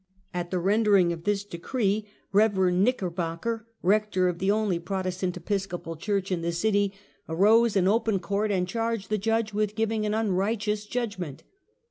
At the rendering of this decree. Rev. Knickerbocker, rector of the only Protestant Episcopal Churcli in the city, arose in open court, and charged the judge with giving an unrighteous judgment.